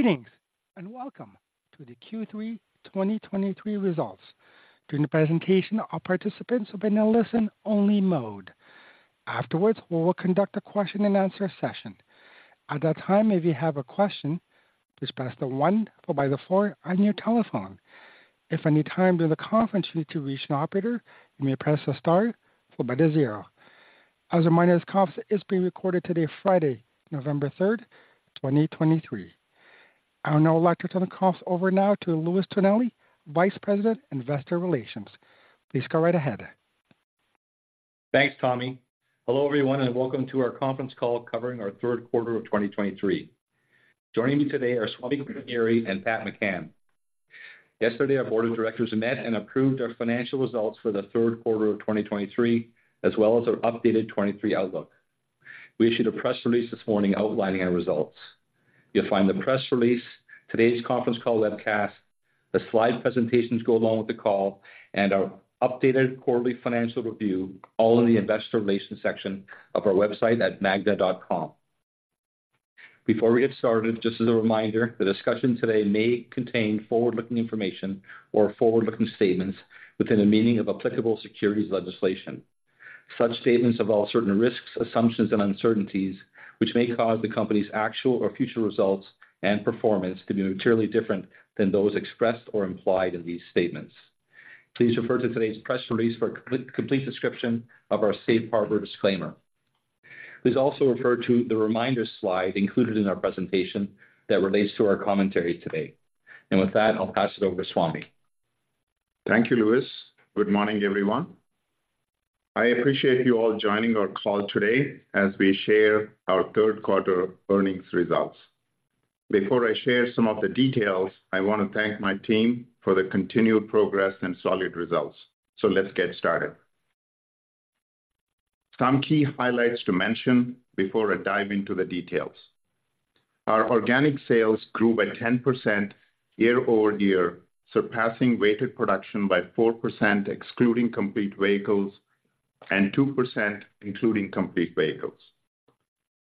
Greetings, and welcome to the Q3 2023 results. During the presentation, all participants will be in a listen-only mode. Afterwards, we will conduct a question-and-answer session. At that time, if you have a question, please press the one followed by the four on your telephone. If any time during the conference you need to reach an operator, you may press the star followed by the zero. As a reminder, this conference is being recorded today, Friday, November 3, 2023. I would now like to turn the conference over now to Louis Tonelli, Vice President, Investor Relations. Please go right ahead. Thanks, Tommy. Hello, everyone, and welcome to our conference call covering our third quarter of 2023. Joining me today are Swamy Kotagiri and Pat McCann. Yesterday, our board of directors met and approved our financial results for the third quarter of 2023, as well as our updated 2023 outlook. We issued a press release this morning outlining our results. You'll find the press release, today's conference call webcast, the slide presentations to go along with the call, and our updated quarterly financial review, all in the investor relations section of our website at magna.com. Before we get started, just as a reminder, the discussion today may contain forward-looking information or forward-looking statements within the meaning of applicable securities legislation. Such statements involve certain risks, assumptions, and uncertainties, which may cause the company's actual or future results and performance to be materially different than those expressed or implied in these statements. Please refer to today's press release for a complete description of our safe harbor disclaimer. Please also refer to the reminder slide included in our presentation that relates to our commentary today. With that, I'll pass it over to Swamy. Thank you, Louis. Good morning, everyone. I appreciate you all joining our call today as we share our third quarter earnings results. Before I share some of the details, I want to thank my team for the continued progress and solid results. So let's get started. Some key highlights to mention before I dive into the details. Our organic sales grew by 10% year-over-year, surpassing weighted production by 4%, excluding complete vehicles, and 2%, including complete vehicles.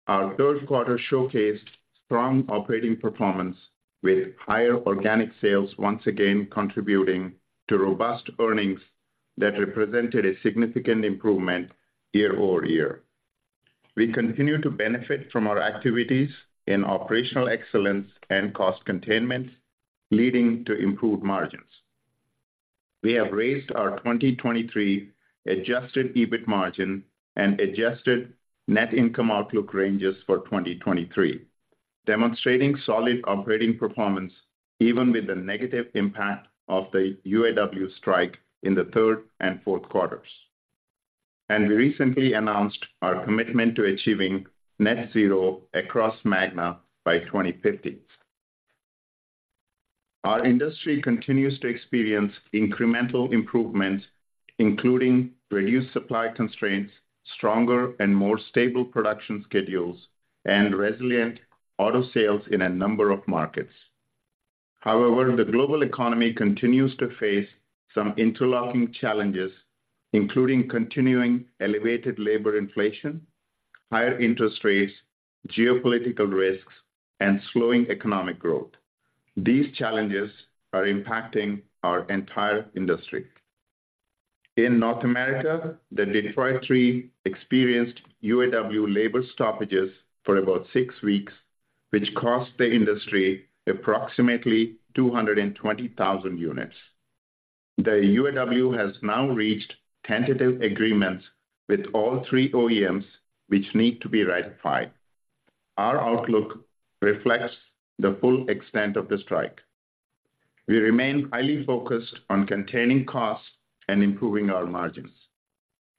Our third quarter showcased strong operating performance, with higher organic sales once again contributing to robust earnings that represented a significant improvement year-over-year. We continue to benefit from our activities in operational excellence and cost containment, leading to improved margins. We have raised our 2023 adjusted EBIT margin and adjusted net income outlook ranges for 2023, demonstrating solid operating performance even with the negative impact of the UAW strike in the third and fourth quarters. We recently announced our commitment to achieving net zero across Magna by 2050. Our industry continues to experience incremental improvements, including reduced supply constraints, stronger and more stable production schedules, and resilient auto sales in a number of markets. However, the global economy continues to face some interlocking challenges, including continuing elevated labor inflation, higher interest rates, geopolitical risks, and slowing economic growth. These challenges are impacting our entire industry. In North America, the Detroit Three experienced UAW labor stoppages for about six weeks, which cost the industry approximately 220,000 units. The UAW has now reached tentative agreements with all three OEMs, which need to be ratified. Our outlook reflects the full extent of the strike. We remain highly focused on containing costs and improving our margins.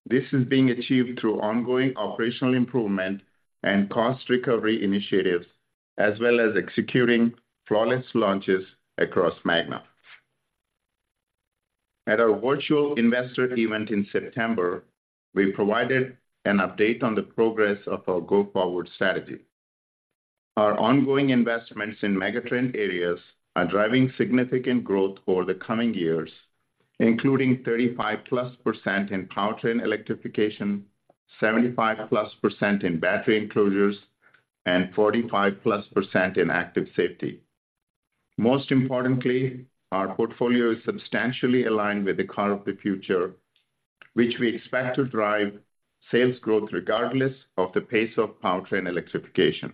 This is being achieved through ongoing operational improvement and cost recovery initiatives, as well as executing flawless launches across Magna. At our virtual investor event in September, we provided an update on the progress of our go-forward strategy. Our ongoing investments in megatrend areas are driving significant growth over the coming years, including 35%+ in powertrain electrification, 75%+ in battery enclosures, and 45%+ in active safety. Most importantly, our portfolio is substantially aligned with the car of the future, which we expect to drive sales growth regardless of the pace of powertrain electrification.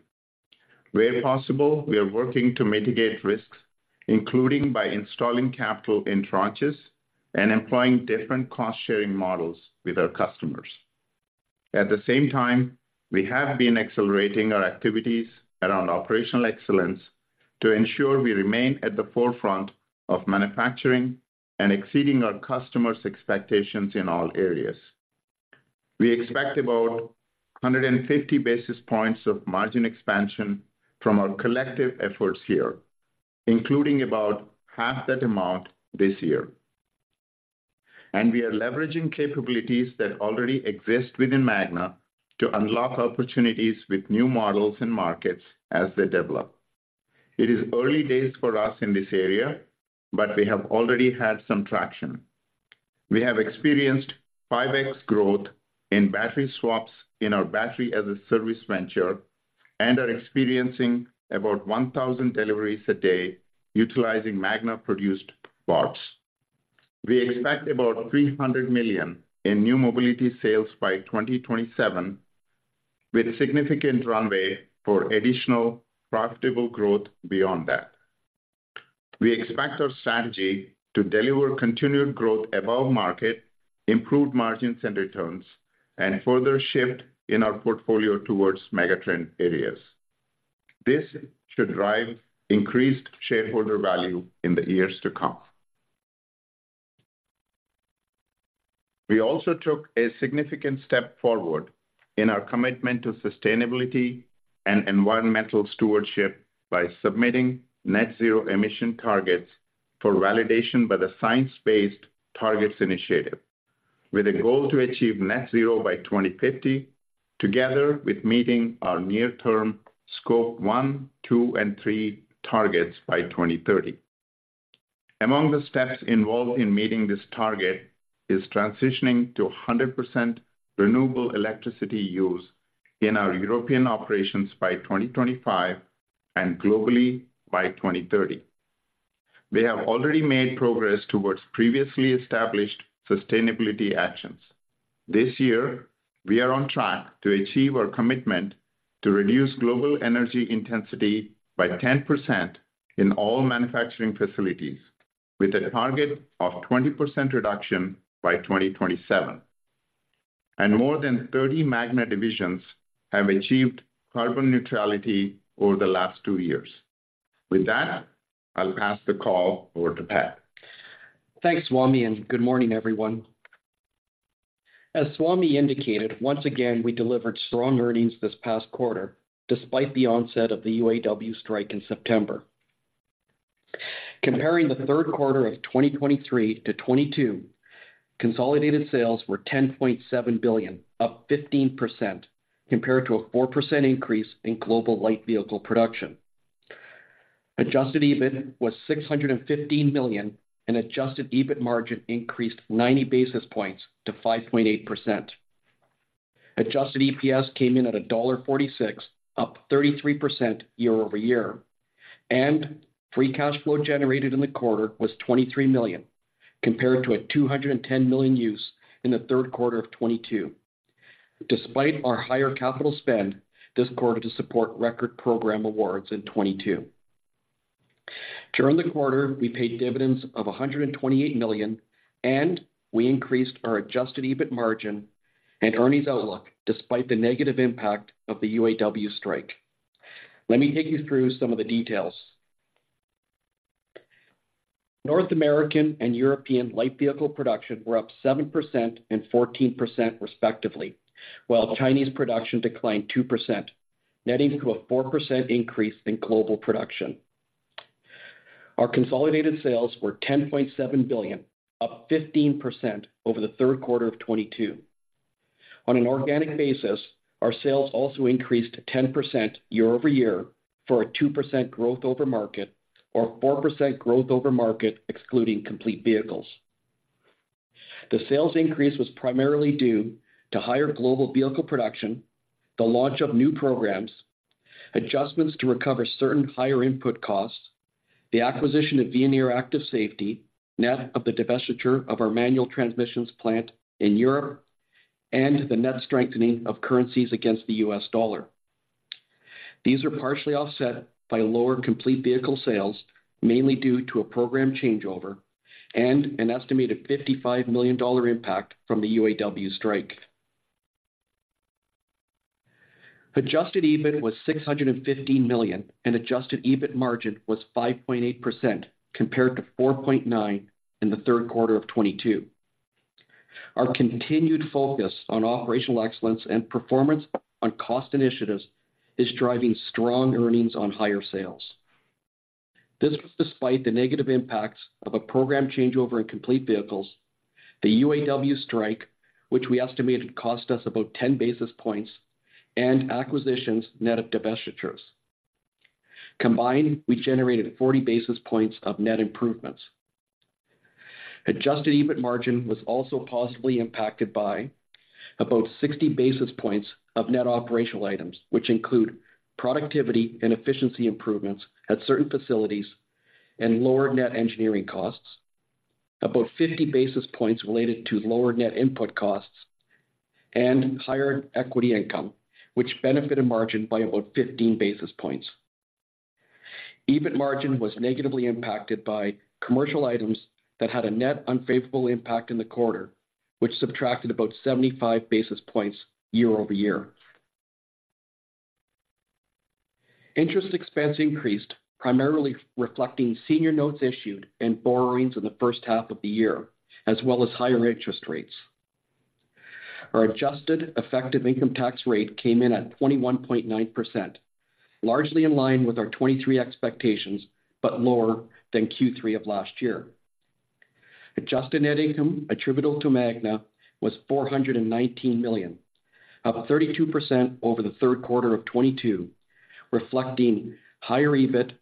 Where possible, we are working to mitigate risks, including by installing capital in tranches and employing different cost-sharing models with our customers. At the same time, we have been accelerating our activities around operational excellence to ensure we remain at the forefront of manufacturing and exceeding our customers' expectations in all areas. We expect about 150 basis points of margin expansion from our collective efforts here, including about half that amount this year. We are leveraging capabilities that already exist within Magna to unlock opportunities with new models and markets as they develop. It is early days for us in this area, but we have already had some traction.... We have experienced 5x growth in battery swaps in our battery as a service venture, and are experiencing about 1,000 deliveries a day utilizing Magna-produced bots. We expect about $300 million in new mobility sales by 2027, with a significant runway for additional profitable growth beyond that. We expect our strategy to deliver continued growth above market, improved margins and returns, and further shift in our portfolio towards megatrend areas. This should drive increased shareholder value in the years to come. We also took a significant step forward in our commitment to sustainability and environmental stewardship by submitting net zero emission targets for validation by the Science-Based Targets Initiative, with a goal to achieve net zero by 2050, together with meeting our near term Scope 1, 2, and 3 targets by 2030. Among the steps involved in meeting this target is transitioning to 100% renewable electricity use in our European operations by 2025, and globally by 2030. We have already made progress towards previously established sustainability actions. This year, we are on track to achieve our commitment to reduce global energy intensity by 10% in all manufacturing facilities, with a target of 20% reduction by 2027. More than 30 Magna divisions have achieved carbon neutrality over the last two years. With that, I'll pass the call over to Pat. Thanks, Swamy, and good morning, everyone. As Swamy indicated, once again, we delivered strong earnings this past quarter, despite the onset of the UAW strike in September. Comparing the third quarter of 2023 to 2022, consolidated sales were $10.7 billion, up 15%, compared to a 4% increase in global light vehicle production. Adjusted EBIT was $615 million, and adjusted EBIT margin increased 90 basis points to 5.8%. Adjusted EPS came in at $1.46, up 33% year over year, and free cash flow generated in the quarter was $23 million, compared to a $210 million use in the third quarter of 2022, despite our higher capital spend this quarter to support record program awards in 2022. During the quarter, we paid dividends of $128 million, and we increased our Adjusted EBIT margin and earnings outlook, despite the negative impact of the UAW strike. Let me take you through some of the details. North American and European light vehicle production were up 7% and 14%, respectively, while Chinese production declined 2%, netting to a 4% increase in global production. Our consolidated sales were $10.7 billion, up 15% over the third quarter of 2022. On an organic basis, our sales also increased 10% year over year for a 2% growth over market, or a 4% growth over market, excluding complete vehicles. The sales increase was primarily due to higher global vehicle production, the launch of new programs, adjustments to recover certain higher input costs, the acquisition of Veoneer Active Safety, net of the divestiture of our manual transmissions plant in Europe, and the net strengthening of currencies against the US dollar. These are partially offset by lower complete vehicle sales, mainly due to a program changeover and an estimated $55 million impact from the UAW strike. Adjusted EBIT was $615 million, and adjusted EBIT margin was 5.8%, compared to 4.9% in the third quarter of 2022. Our continued focus on operational excellence and performance on cost initiatives is driving strong earnings on higher sales. This was despite the negative impacts of a program changeover in complete vehicles, the UAW strike, which we estimated cost us about 10 basis points, and acquisitions net of divestitures. Combined, we generated 40 basis points of net improvements. Adjusted EBIT margin was also positively impacted by about 60 basis points of net operational items, which include productivity and efficiency improvements at certain facilities and lower net engineering costs, about 50 basis points related to lower net input costs and higher equity income, which benefited margin by about 15 basis points. EBIT margin was negatively impacted by commercial items that had a net unfavorable impact in the quarter, which subtracted about 75 basis points year over year. Interest expense increased, primarily reflecting senior notes issued and borrowings in the first half of the year, as well as higher interest rates. Our adjusted effective income tax rate came in at 21.9%, largely in line with our 2023 expectations, but lower than Q3 of last year. Adjusted net income attributable to Magna was $419 million, up 32% over the third quarter of 2022, reflecting higher EBIT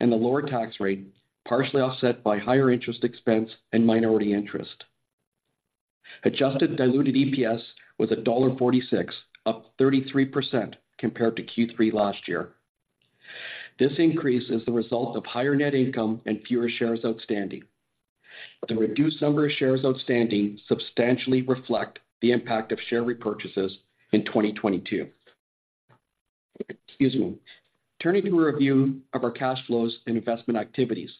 and a lower tax rate, partially offset by higher interest expense and minority interest. Adjusted diluted EPS was $1.46, up 33% compared to Q3 last year. This increase is the result of higher net income and fewer shares outstanding. The reduced number of shares outstanding substantially reflect the impact of share repurchases in 2022. Excuse me. Turning to a review of our cash flows and investment activities.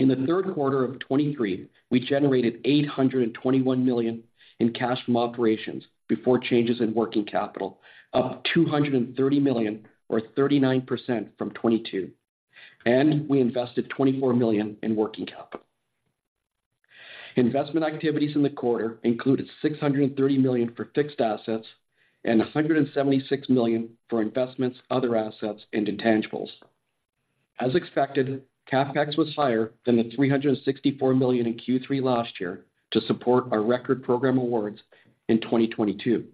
In the third quarter of 2023, we generated $821 million in cash from operations before changes in working capital, up $230 million, or 39% from 2022, and we invested $24 million in working capital. Investment activities in the quarter included $630 million for fixed assets and $176 million for investments, other assets, and intangibles. As expected, CapEx was higher than the $364 million in Q3 last year to support our record program awards in 2022.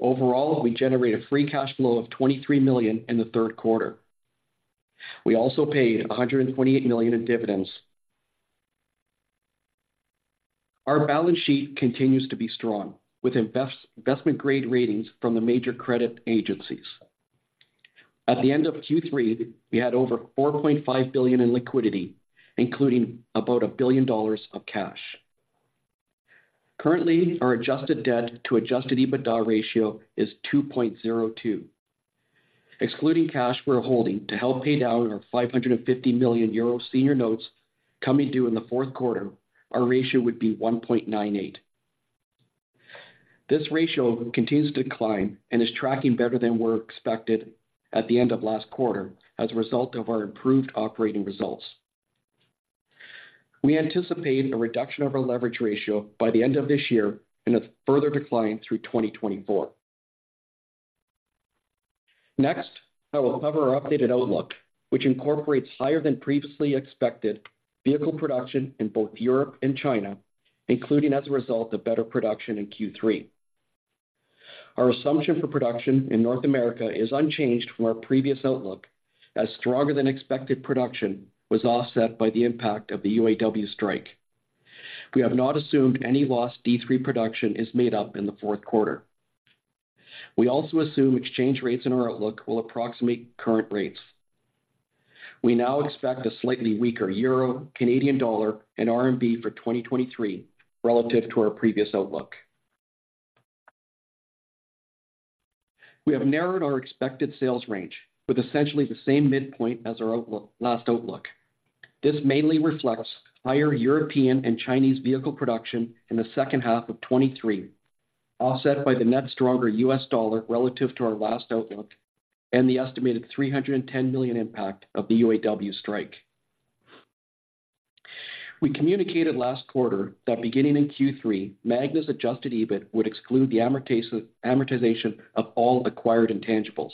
Overall, we generated free cash flow of $23 million in the third quarter. We also paid $128 million in dividends. Our balance sheet continues to be strong, with investment-grade ratings from the major credit agencies. At the end of Q3, we had over $4.5 billion in liquidity, including about $1 billion of cash. Currently, our adjusted debt to Adjusted EBITDA ratio is 2.02. Excluding cash we're holding to help pay down our 550 million euro senior notes coming due in the fourth quarter, our ratio would be 1.98. This ratio continues to decline and is tracking better than were expected at the end of last quarter as a result of our improved operating results. We anticipate a reduction of our leverage ratio by the end of this year and a further decline through 2024. Next, I will cover our updated outlook, which incorporates higher than previously expected vehicle production in both Europe and China, including as a result of better production in Q3. Our assumption for production in North America is unchanged from our previous outlook, as stronger than expected production was offset by the impact of the UAW strike. We have not assumed any lost D3 production is made up in the fourth quarter. We also assume exchange rates in our outlook will approximate current rates. We now expect a slightly weaker euro, Canadian dollar, and RMB for 2023 relative to our previous outlook. We have narrowed our expected sales range with essentially the same midpoint as our outlook... last outlook. This mainly reflects higher European and Chinese vehicle production in the second half of 2023, offset by the net stronger US dollar relative to our last outlook and the estimated $310 million impact of the UAW strike. We communicated last quarter that beginning in Q3, Magna's adjusted EBIT would exclude the amortization of all acquired intangibles.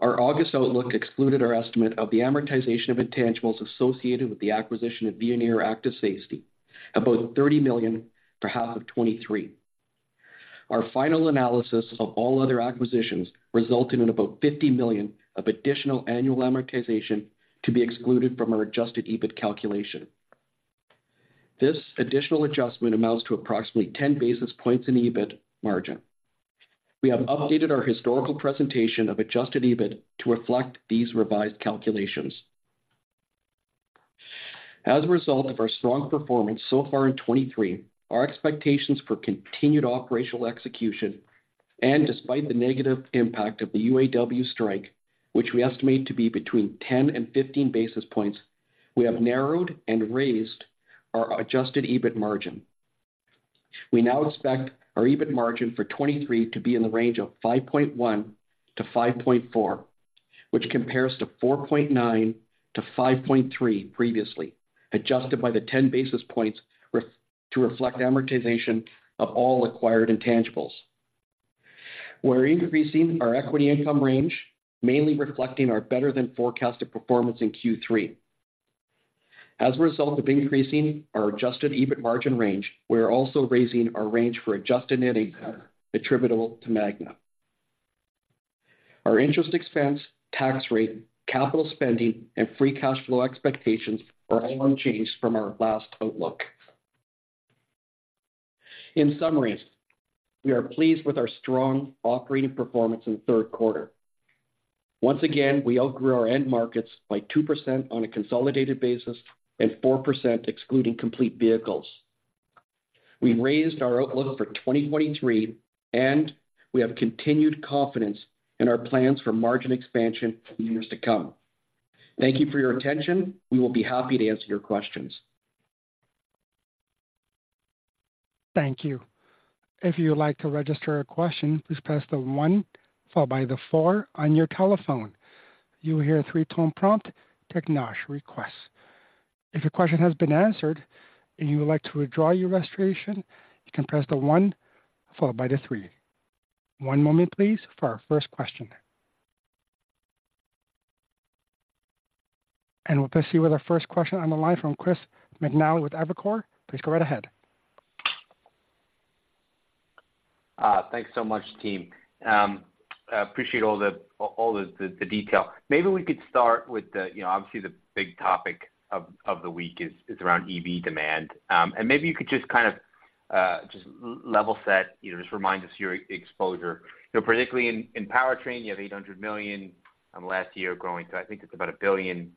Our August outlook excluded our estimate of the amortization of intangibles associated with the acquisition of Veoneer Active Safety, about $30 million for half of 2023. Our final analysis of all other acquisitions resulted in about $50 million of additional annual amortization to be excluded from our Adjusted EBIT calculation. This additional adjustment amounts to approximately 10 basis points in EBIT margin. We have updated our historical presentation of Adjusted EBIT to reflect these revised calculations. As a result of our strong performance so far in 2023, our expectations for continued operational execution, and despite the negative impact of the UAW strike, which we estimate to be between 10 and 15 basis points, we have narrowed and raised our Adjusted EBIT margin. We now expect our EBIT margin for 2023 to be in the range of 5.1%-5.4%, which compares to 4.9%-5.3% previously, adjusted by the 10 basis points to reflect amortization of all acquired intangibles. We're increasing our equity income range, mainly reflecting our better than forecasted performance in Q3. As a result of increasing our adjusted EBIT margin range, we are also raising our range for adjusted net income attributable to Magna. Our interest expense, tax rate, capital spending and free cash flow expectations are all unchanged from our last outlook. In summary, we are pleased with our strong operating performance in the third quarter. Once again, we outgrew our end markets by 2% on a consolidated basis and 4% excluding complete vehicles. We raised our outlook for 2023, and we have continued confidence in our plans for margin expansion in the years to come. Thank you for your attention. We will be happy to answer your questions. Thank you. If you would like to register a question, please press the one followed by the four on your telephone. You will hear a three-tone prompt, then requests. If your question has been answered and you would like to withdraw your registration, you can press the one followed by the three. One moment, please, for our first question. We'll proceed with our first question on the line from Chris McNally with Evercore. Please go right ahead. ... Thanks so much, team. I appreciate all the detail. Maybe we could start with the, you know, obviously the big topic of the week is around EV demand. And maybe you could just kind of just level set, you know, just remind us your exposure. You know, particularly in powertrain, you have $800 million from last year, growing to, I think it's about $1 billion.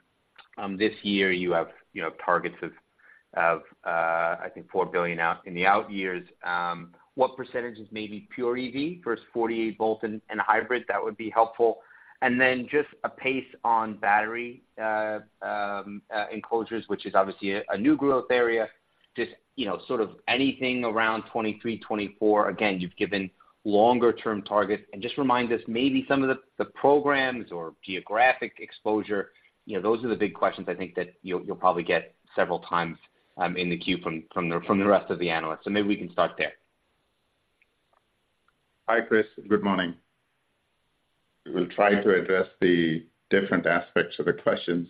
This year you have, you know, targets of, I think $4 billion out in the out years. What percentage is maybe pure EV versus 48-volt and hybrid? That would be helpful. And then just a pace on battery enclosures, which is obviously a new growth area. Just, you know, sort of anything around 2023, 2024. Again, you've given longer term targets. Just remind us maybe some of the programs or geographic exposure. You know, those are the big questions I think that you'll probably get several times in the queue from the rest of the analysts, so maybe we can start there. Hi, Chris. Good morning. We'll try to address the different aspects of the questions.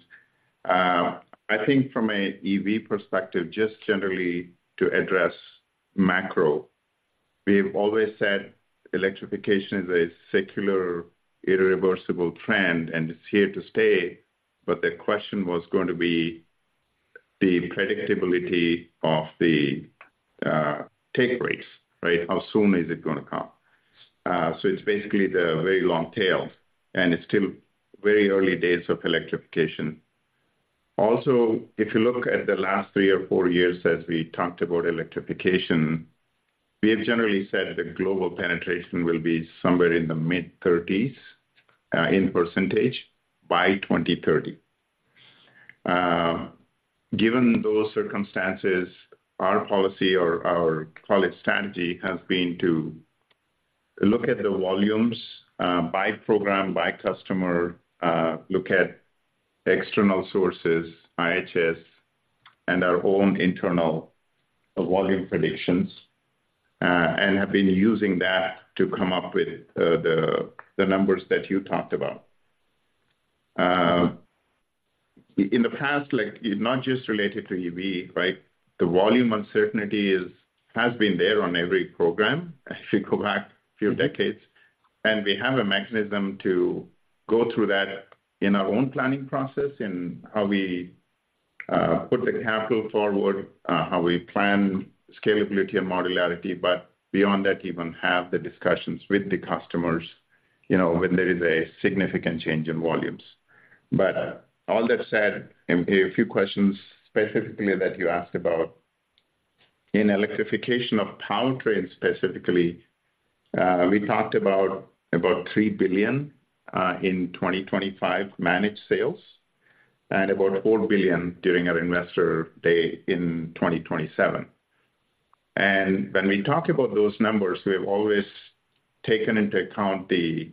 I think from a EV perspective, just generally to address macro, we've always said electrification is a secular, irreversible trend, and it's here to stay, but the question was going to be the predictability of the take rates, right? How soon is it gonna come? So it's basically the very long tail, and it's still very early days of electrification. Also, if you look at the last three or four years as we talked about electrification, we have generally said the global penetration will be somewhere in the mid-30s% by 2030. Given those circumstances, our policy or our, call it, strategy, has been to look at the volumes by program, by customer, look at external sources, IHS, and our own internal volume predictions, and have been using that to come up with the numbers that you talked about. In the past, like, not just related to EV, right? The volume uncertainty has been there on every program, if you go back a few decades. We have a mechanism to go through that in our own planning process, in how we put the capital forward, how we plan scalability and modularity, but beyond that, even have the discussions with the customers, you know, when there is a significant change in volumes. But all that said, and a few questions specifically that you asked about, in electrification of powertrain specifically, we talked about about $3 billion in 2025 managed sales and about $4 billion during our investor day in 2027. And when we talk about those numbers, we've always taken into account the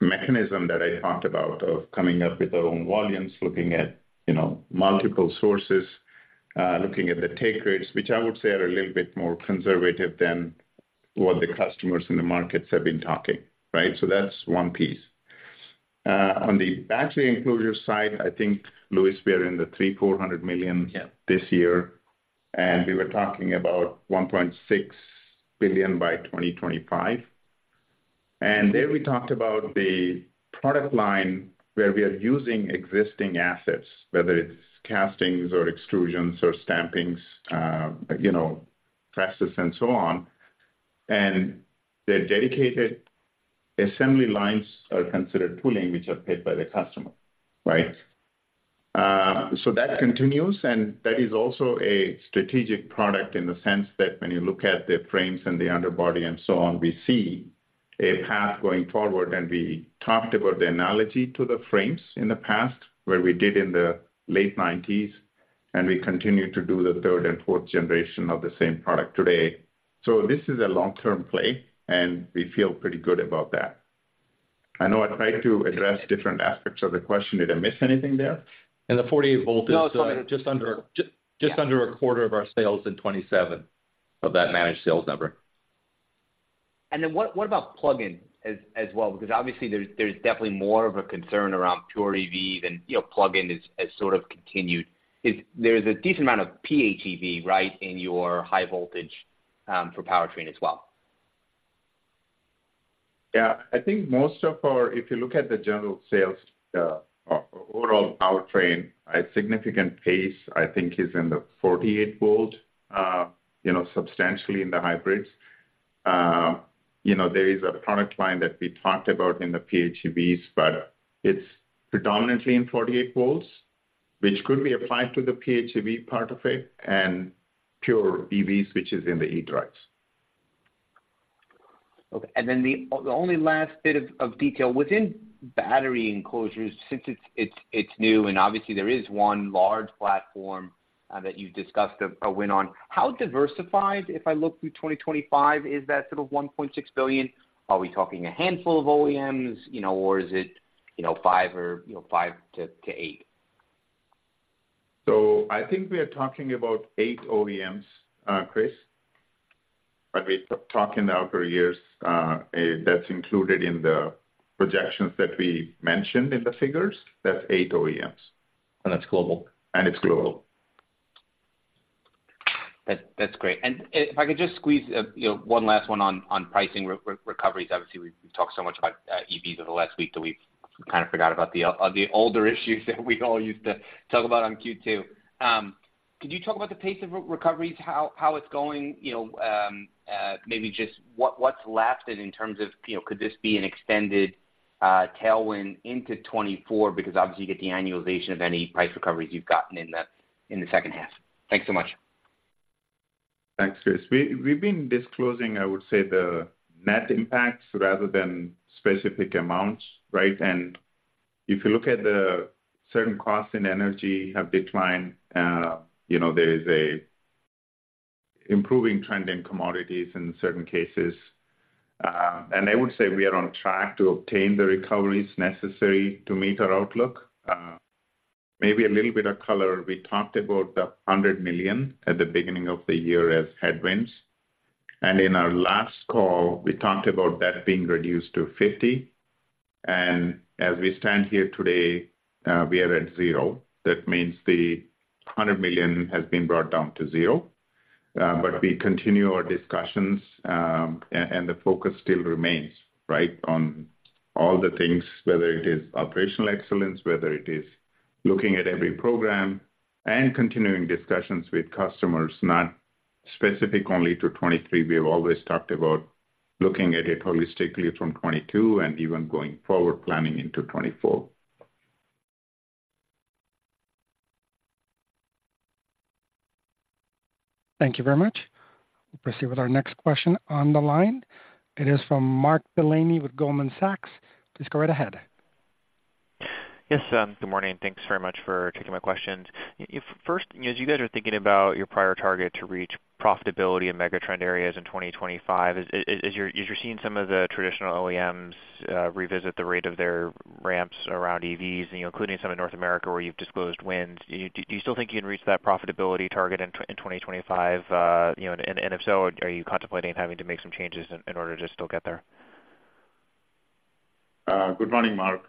mechanism that I talked about of coming up with our own volumes, looking at, you know, multiple sources, looking at the take rates, which I would say are a little bit more conservative than what the customers in the markets have been talking, right? So that's one piece. On the battery enclosure side, I think, Louis, we are in the $300 million-$400 million- Yeah. This year, and we were talking about $1.6 billion by 2025. And there we talked about the product line where we are using existing assets, whether it's castings or extrusions or stampings, you know, presses and so on, and the dedicated assembly lines are considered tooling, which are paid by the customer, right? So that continues, and that is also a strategic product in the sense that when you look at the frames and the underbody and so on, we see a path going forward, and we talked about the analogy to the frames in the past, where we did in the late 1990s, and we continue to do the third and fourth generation of the same product today. So this is a long-term play, and we feel pretty good about that. I know I tried to address different aspects of the question. Did I miss anything there? The 48-volt is- No, it's fine. just under a quarter of our sales in 2027, of that managed sales number. And then what about plug-ins as well? Because obviously there's definitely more of a concern around pure EV than, you know, plug-in is, has sort of continued. It's. There's a decent amount of PHEV, right, in your high voltage for powertrain as well. Yeah. I think most of our... If you look at the general sales, overall powertrain, a significant pace, I think, is in the 48-volt, you know, substantially in the hybrids. You know, there is a product line that we talked about in the PHEVs, but it's predominantly in 48-volts, which could be applied to the PHEV part of it and pure EVs, which is in the eDrive. Okay, and then the only last bit of detail within battery enclosures, since it's new and obviously there is one large platform that you've discussed a win on, how diversified, if I look through 2025, is that sort of $1.6 billion? Are we talking a handful of OEMs, you know, or is it, you know, five or five to eight? I think we are talking about eight OEMs, Chris. When we talk in the outer years, that's included in the projections that we mentioned in the figures. That's eight OEMs. And that's global? It's global.... That's great. And if I could just squeeze, you know, one last one on pricing recoveries. Obviously, we've talked so much about EVs over the last week that we've kind of forgot about the older issues that we all used to talk about on Q2. Could you talk about the pace of recoveries, how it's going? You know, maybe just what's left, and in terms of, you know, could this be an extended tailwind into 2024? Because obviously, you get the annualization of any price recoveries you've gotten in the second half. Thanks so much. Thanks, Chris. We've been disclosing, I would say, the net impacts rather than specific amounts, right? And if you look at the certain costs in energy have declined, you know, there is a improving trend in commodities in certain cases. And I would say we are on track to obtain the recoveries necessary to meet our outlook. Maybe a little bit of color. We talked about the $100 million at the beginning of the year as headwinds, and in our last call, we talked about that being reduced to $50 million. And as we stand here today, we are at $0. That means the $100 million has been brought down to $0. But we continue our discussions, and, and the focus still remains, right, on all the things, whether it is operational excellence, whether it is looking at every program and continuing discussions with customers, not specific only to 2023. We have always talked about looking at it holistically from 2022 and even going forward planning into 2024. Thank you very much. We'll proceed with our next question on the line. It is from Mark Delaney with Goldman Sachs. Please go right ahead. Yes, good morning. Thanks very much for taking my questions. First, as you guys are thinking about your prior target to reach profitability in megatrend areas in 2025, as you're seeing some of the traditional OEMs revisit the rate of their ramps around EVs, including some in North America, where you've disclosed wins, do you still think you can reach that profitability target in 2025? You know, and if so, are you contemplating having to make some changes in order to still get there? Good morning, Mark.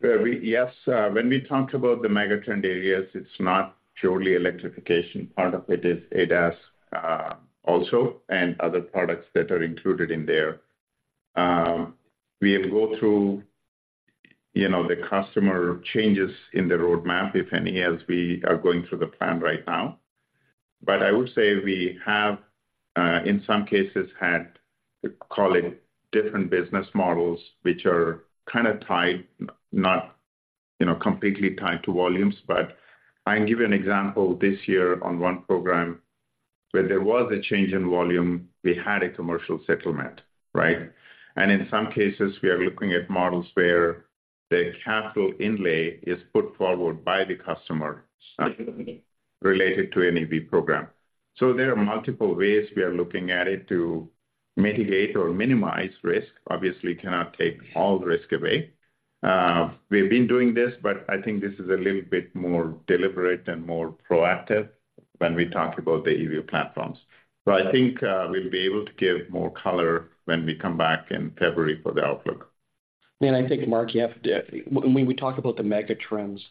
When we talked about the megatrend areas, it's not purely electrification. Part of it is ADAS, also, and other products that are included in there. We go through, you know, the customer changes in the roadmap, if any, as we are going through the plan right now. But I would say we have, in some cases, had to call it different business models, which are kind of tied, not, you know, completely tied to volumes. But I can give you an example. This year on one program where there was a change in volume, we had a commercial settlement, right? And in some cases, we are looking at models where the capital inlay is put forward by the customer related to an EV program. So there are multiple ways we are looking at it to mitigate or minimize risk. Obviously, cannot take all risk away. We've been doing this, but I think this is a little bit more deliberate and more proactive when we talk about the EV platforms. But I think, we'll be able to give more color when we come back in February for the outlook. I think, Mark, you have to, when we talk about the mega trends,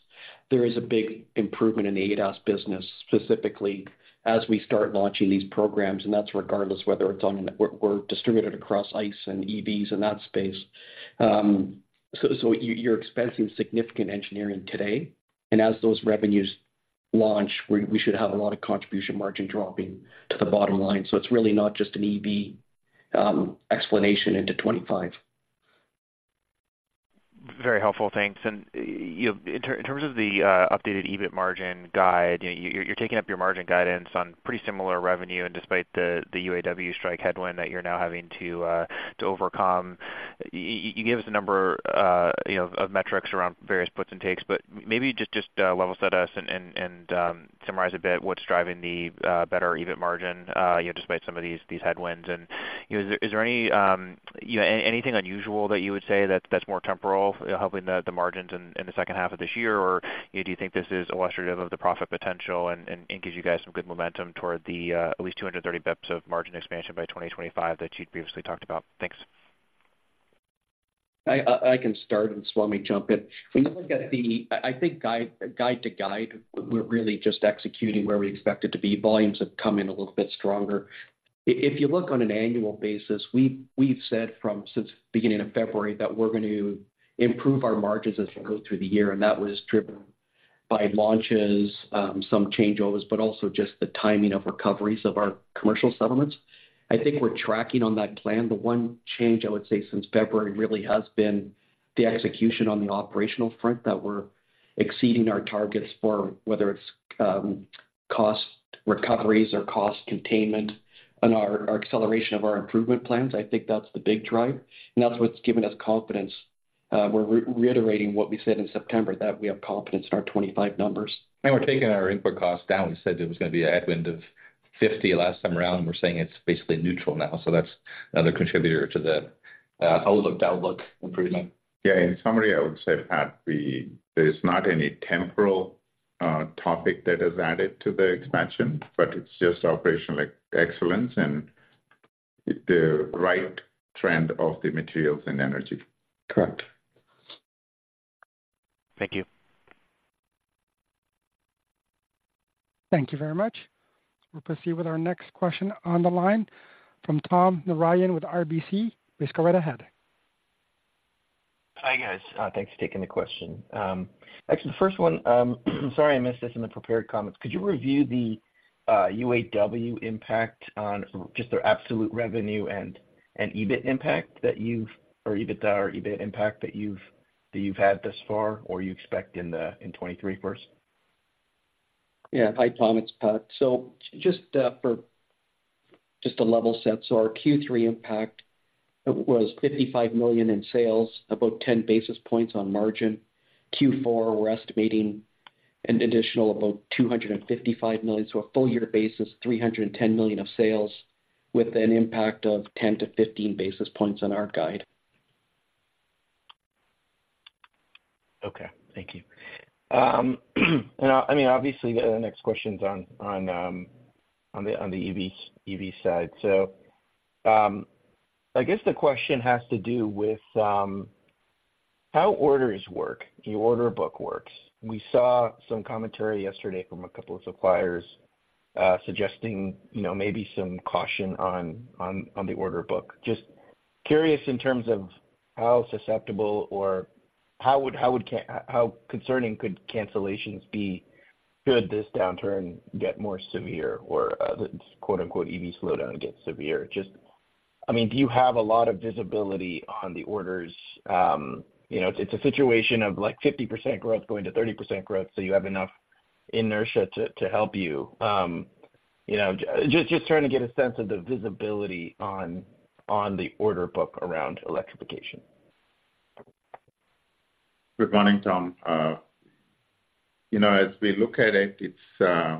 there is a big improvement in the ADAS business, specifically as we start launching these programs, and that's regardless whether it's on, we're distributed across ICE and EVs in that space. So, you're expensing significant engineering today, and as those revenues launch, we should have a lot of contribution margin dropping to the bottom line. So it's really not just an EV explanation into 2025. Very helpful, thanks. And you, in terms of the updated EBIT margin guide, you're taking up your margin guidance on pretty similar revenue, and despite the UAW strike headwind that you're now having to overcome. You gave us a number, you know, of metrics around various puts and takes, but maybe just level set us and summarize a bit what's driving the better EBIT margin, you know, despite some of these headwinds. And, you know, is there any, you know, anything unusual that you would say that's more temporal, helping the margins in the second half of this year? Or do you think this is illustrative of the profit potential and gives you guys some good momentum toward the at least 230 BPS of margin expansion by 2025 that you'd previously talked about? Thanks. I can start, and so let me jump in. When you look at the, I think, guide to guide, we're really just executing where we expect it to be. Volumes have come in a little bit stronger. If you look on an annual basis, we've said from since beginning of February that we're going to improve our margins as we go through the year, and that was driven by launches, some changeovers, but also just the timing of recoveries of our commercial settlements. I think we're tracking on that plan. The one change I would say since February really has been the execution on the operational front, that we're exceeding our targets for whether it's cost recoveries or cost containment and our acceleration of our improvement plans. I think that's the big drive, and that's what's given us confidence. We're reiterating what we said in September, that we have confidence in our 25 numbers. We're taking our input costs down. We said it was going to be a headwind of $50 last time around, and we 're saying it's basically neutral now. So that's another contributor to the outlook improvement. Yeah, in summary, I would say, Pat, we, there's not any temporal topic that is added to the expansion, but it's just operational excellence and the right trend of the materials and energy. Correct.... Thank you. Thank you very much. We'll proceed with our next question on the line from Tom Narayan with RBC. Please go right ahead. Hi, guys. Thanks for taking the question. Actually, the first one, I'm sorry, I missed this in the prepared comments. Could you review the UAW impact on just the absolute revenue and EBIT impact that you've, or EBITDA or EBIT impact that you've had thus far, or you expect in 2023, first? Yeah. Hi, Tom, it's Pat. So just, for just a level set, so our Q3 impact was $55 million in sales, about 10 basis points on margin. Q4, we're estimating an additional about $255 million, so a full year basis, $310 million of sales with an impact of 10-15 basis points on our guide. Okay, thank you. And, I mean, obviously, the next question's on the EV side. So, I guess the question has to do with how orders work, the order book works. We saw some commentary yesterday from a couple of suppliers suggesting, you know, maybe some caution on the order book. Just curious in terms of how susceptible or how concerning could cancellations be, should this downturn get more severe or this, quote-unquote, "EV slowdown" get severe? Just, I mean, do you have a lot of visibility on the orders? You know, it's a situation of, like, 50% growth going to 30% growth, so you have enough inertia to help you. You know, just trying to get a sense of the visibility on the order book around electrification. Good morning, Tom. You know, as we look at it, it's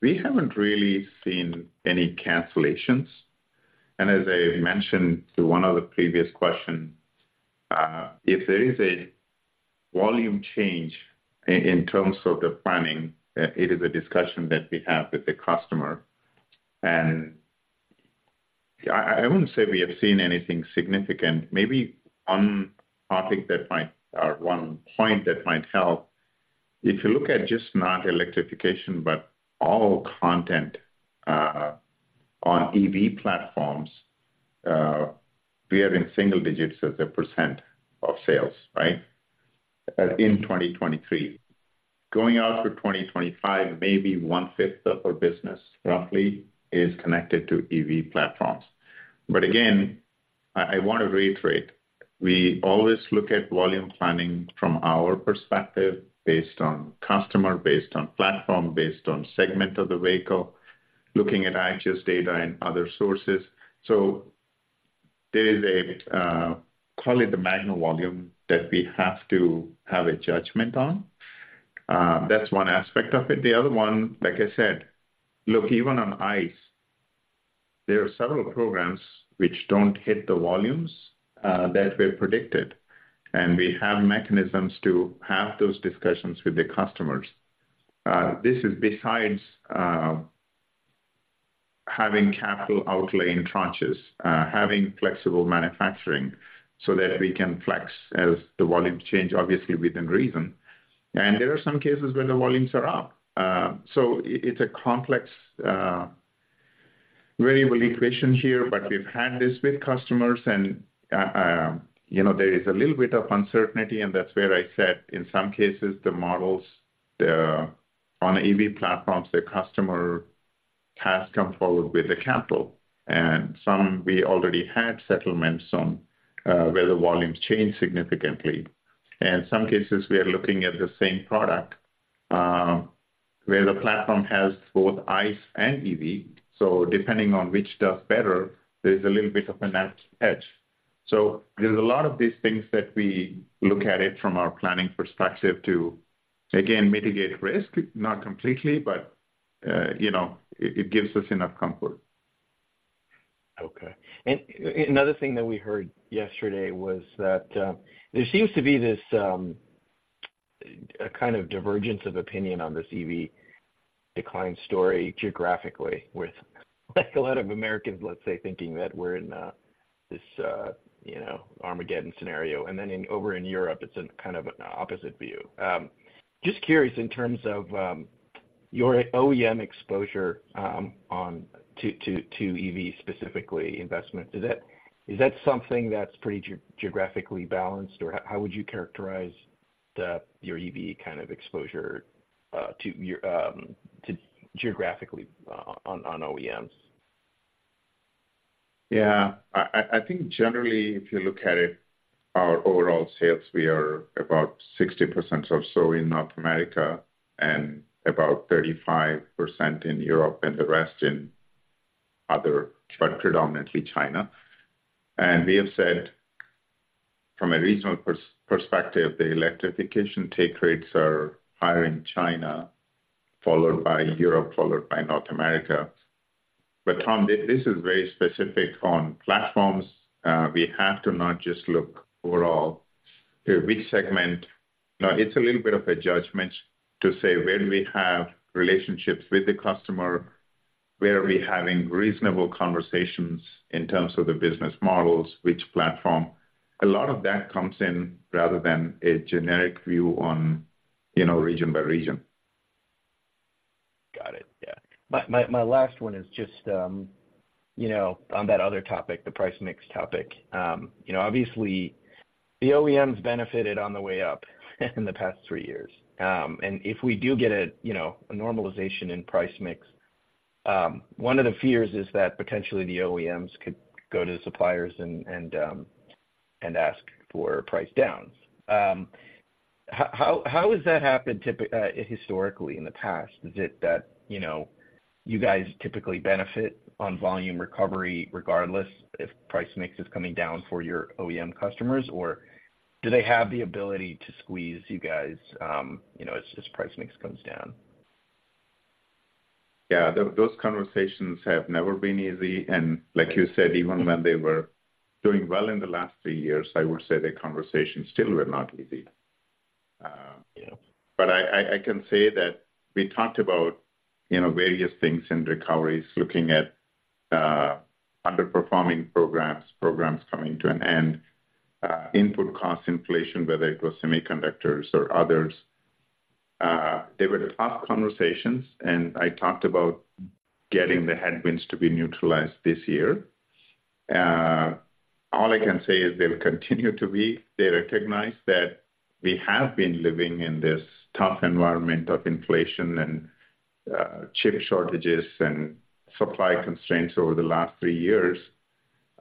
we haven't really seen any cancellations. As I mentioned to one of the previous question, if there is a volume change in terms of the planning, it is a discussion that we have with the customer. I wouldn't say we have seen anything significant. Maybe one topic that might... or one point that might help, if you look at just not electrification, but all content on EV platforms, we are in single digits as a % of sales, right? In 2023. Going out to 2025, maybe one-fifth of our business, roughly, is connected to EV platforms. But again, I wanna reiterate, we always look at volume planning from our perspective, based on customer, based on platform, based on segment of the vehicle, looking at IHS data and other sources. So there is a call it the Magna volume, that we have to have a judgment on. That's one aspect of it. The other one, like I said, look, even on ICE, there are several programs which don't hit the volumes that were predicted, and we have mechanisms to have those discussions with the customers. This is besides having capital outlay in tranches, having flexible manufacturing so that we can flex as the volumes change, obviously, within reason. And there are some cases where the volumes are up. So it's a complex, variable equation here, but we've had this with customers and, you know, there is a little bit of uncertainty, and that's where I said, in some cases, the models, the, on the EV platforms, the customer has come forward with the capital, and some we already had settlements on, where the volumes changed significantly. And some cases, we are looking at the same product, where the platform has both ICE and EV, so depending on which does better, there's a little bit of a net edge. So there's a lot of these things that we look at it from our planning perspective to, again, mitigate risk, not completely, but, you know, it gives us enough comfort. Okay. Another thing that we heard yesterday was that there seems to be this, a kind of divergence of opinion on this EV decline story geographically with, like a lot of Americans, let's say, thinking that we're in, this, you know, Armageddon scenario, and then over in Europe, it's a kind of an opposite view. Just curious, in terms of, your OEM exposure, onto, to EV, specifically investment, is that something that's pretty geographically balanced, or how would you characterize the, your EV kind of exposure, to your, to geographically, on, on OEMs? Yeah. I think generally, if you look at it, our overall sales, we are about 60% or so in North America and about 35% in Europe, and the rest in other, but predominantly China. And we have said from a regional perspective, the electrification take rates are higher in China, followed by Europe, followed by North America. But Tom, this is very specific on platforms. We have to not just look overall to which segment. Now, it's a little bit of a judgment to say, where do we have relationships with the customer?... where are we having reasonable conversations in terms of the business models, which platform? A lot of that comes in rather than a generic view on, you know, region by region. Got it. Yeah. My last one is just, you know, on that other topic, the price mix topic. You know, obviously the OEMs benefited on the way up in the past three years. And if we do get a, you know, a normalization in price mix, one of the fears is that potentially the OEMs could go to the suppliers and, and, and ask for price downs. How has that happened typically historically in the past? Is it that, you know, you guys typically benefit on volume recovery regardless if price mix is coming down for your OEM customers, or do they have the ability to squeeze you guys, you know, as price mix comes down? Yeah, those conversations have never been easy. Like you said, even when they were doing well in the last three years, I would say the conversations still were not easy. Uh, yeah. But I can say that we talked about, you know, various things in recoveries, looking at underperforming programs, programs coming to an end, input cost inflation, whether it was semiconductors or others. They were tough conversations, and I talked about getting the headwinds to be neutralized this year. All I can say is they will continue to be. They recognize that we have been living in this tough environment of inflation and chip shortages and supply constraints over the last three years.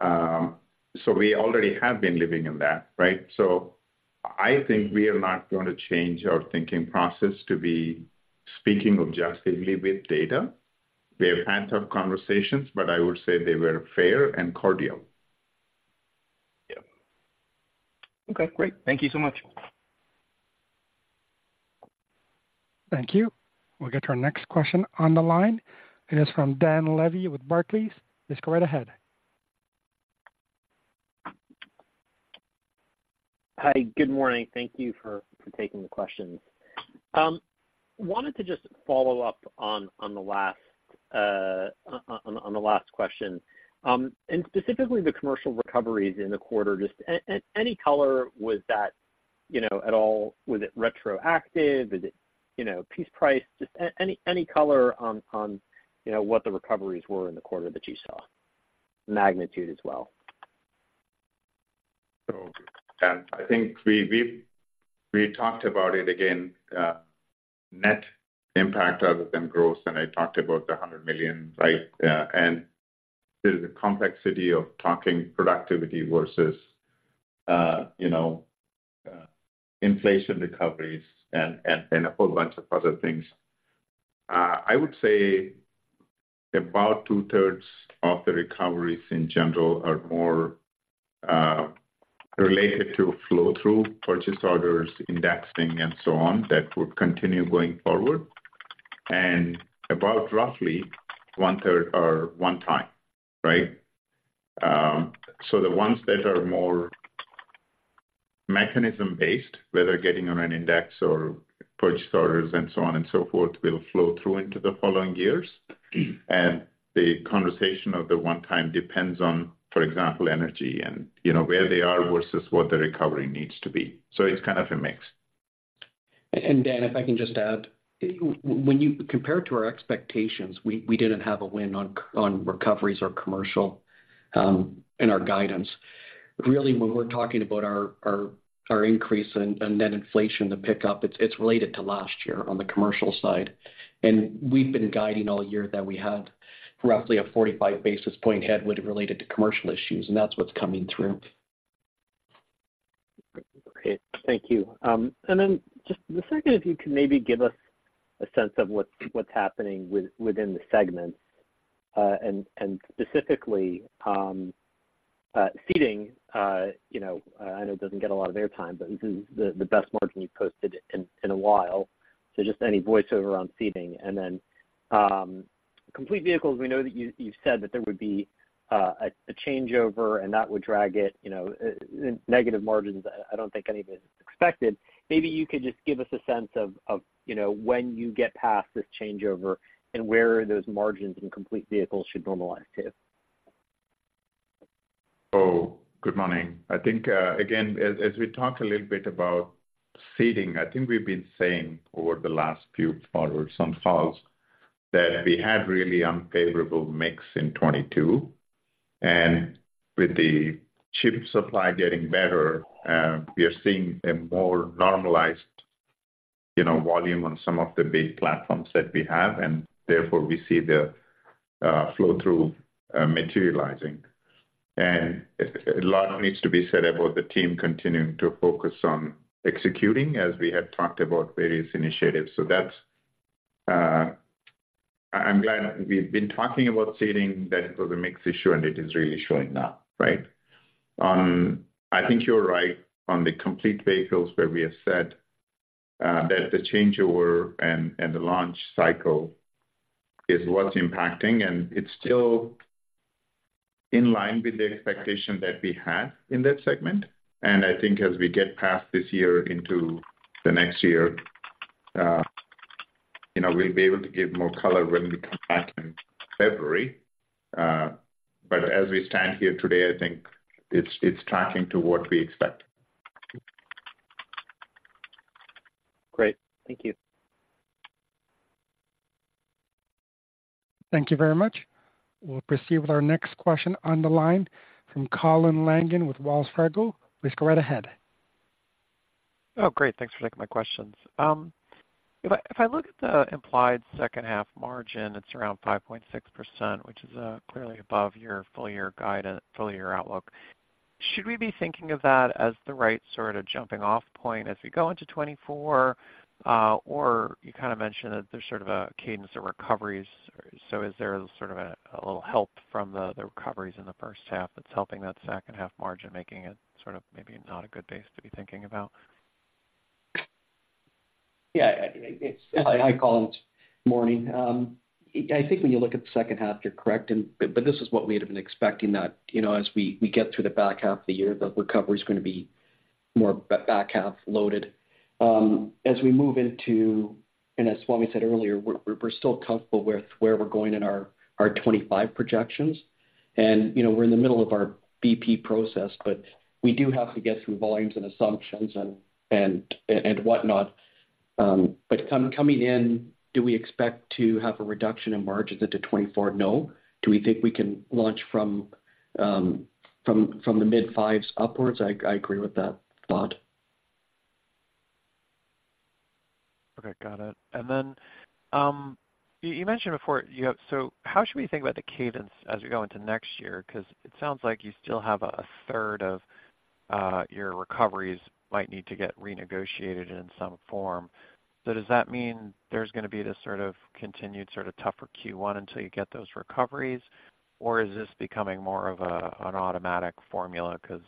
So we already have been living in that, right? So I think we are not going to change our thinking process to be speaking objectively with data. We have had tough conversations, but I would say they were fair and cordial. Yeah. Okay, great. Thank you so much. Thank you. We'll get to our next question on the line. It is from Dan Levy with Barclays. Please go right ahead. Hi, good morning. Thank you for taking the questions. Wanted to just follow up on the last question, and specifically the commercial recoveries in the quarter. Just any color, was that, you know, at all—was it retroactive? Is it, you know, piece price? Just any color on, you know, what the recoveries were in the quarter that you saw, magnitude as well. So, Dan, I think we talked about it again, net impact other than gross, and I talked about the $100 million, right? And there's a complexity of talking productivity versus, you know, inflation recoveries and a whole bunch of other things. I would say about two-thirds of the recoveries in general are more related to flow-through purchase orders, indexing, and so on, that would continue going forward. And about roughly one-third are one time, right? So the ones that are more mechanism-based, whether getting on an index or purchase orders and so on and so forth, will flow through into the following years. And the conversation of the one time depends on, for example, energy and, you know, where they are versus what the recovery needs to be. So it's kind of a mix. Dan, if I can just add. When you compare it to our expectations, we didn't have a win on recoveries or commercial in our guidance. Really, when we're talking about our increase in net inflation to pick up, it's related to last year on the commercial side. And we've been guiding all year that we had roughly a 45 basis point headwind related to commercial issues, and that's what's coming through. Great. Thank you. And then just the second, if you could maybe give us a sense of what's happening within the segments, and specifically, seating, you know, I know it doesn't get a lot of airtime, but this is the best margin you've posted in a while. So just any voiceover on seating. And then, complete vehicles, we know that you've said that there would be a changeover, and that would drag it, you know, negative margins. I don't think anybody expected. Maybe you could just give us a sense of you know, when you get past this changeover and where those margins in complete vehicles should normalize to. Oh, good morning. I think, again, as we talk a little bit about seating, I think we've been saying over the last few quarters, some calls, that we had really unfavorable mix in 2022. With the chip supply getting better, we are seeing a more normalized, you know, volume on some of the big platforms that we have, and therefore we see the flow-through materializing. A lot needs to be said about the team continuing to focus on executing, as we had talked about various initiatives. So that's, I'm glad we've been talking about seating, that it was a mix issue, and it is really showing up, right? I think you're right on the complete vehicles, where we have said that the changeover and the launch cycle is what's impacting, and it's still... In line with the expectation that we have in that segment. I think as we get past this year into the next year, you know, we'll be able to give more color when we come back in February. But as we stand here today, I think it's tracking to what we expect. Great. Thank you. Thank you very much. We'll proceed with our next question on the line from Colin Langan with Wells Fargo. Please go right ahead. Oh, great. Thanks for taking my questions. If I look at the implied second half margin, it's around 5.6%, which is clearly above your full year guidance—full year outlook. Should we be thinking of that as the right sort of jumping-off point as we go into 2024? Or you kind of mentioned that there's sort of a cadence of recoveries, so is there sort of a little help from the recoveries in the first half that's helping that second half margin, making it sort of maybe not a good base to be thinking about? Yeah, it's hi, Colin, it's morning. I think when you look at the second half, you're correct, but this is what we had been expecting, that, you know, as we get through the back half of the year, the recovery is gonna be more back half loaded. As we move into and as Swamy said earlier, we're still comfortable with where we're going in our 2025 projections. And, you know, we're in the middle of our BP process, but we do have to get through volumes and assumptions and whatnot. But coming in, do we expect to have a reduction in margins into 2024? No. Do we think we can launch from the mid-fives upwards? I agree with that thought. Okay, got it. Then, you mentioned before you have. So how should we think about the cadence as we go into next year? Because it sounds like you still have a third of your recoveries might need to get renegotiated in some form. So does that mean there's gonna be this sort of continued, sort of tougher Q1 until you get those recoveries? Or is this becoming more of an automatic formula? Because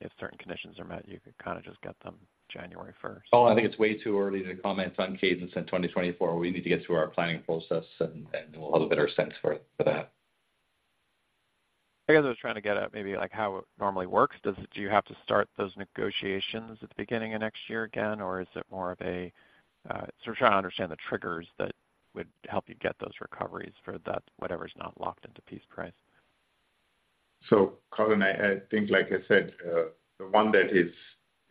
if certain conditions are met, you could kind of just get them January first. Oh, I think it's way too early to comment on cadence in 2024. We need to get through our planning process and we'll have a better sense for that. I guess I was trying to get at maybe, like, how it normally works. Do you have to start those negotiations at the beginning of next year again, or is it more of a... So we're trying to understand the triggers that would help you get those recoveries for that, whatever's not locked into piece price. So, Colin, I think, like I said, the one that is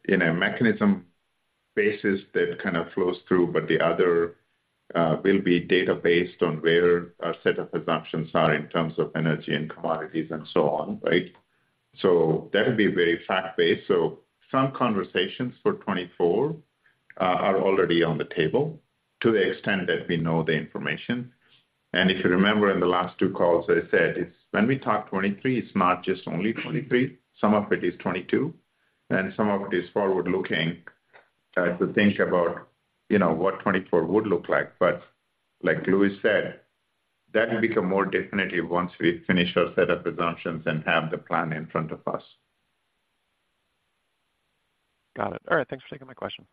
in a mechanism basis, that kind of flows through, but the other will be data based on where our set of assumptions are in terms of energy and commodities and so on, right? So that'll be very fact-based. So some conversations for 2024 are already on the table to the extent that we know the information. And if you remember, in the last two calls, I said, it's when we talk 2023, it's not just only 2023. Some of it is 2022, and some of it is forward-looking to think about, you know, what 2024 would look like. But like Louis said, that will become more definitive once we finish our set of assumptions and have the plan in front of us. Got it. All right. Thanks for taking my question.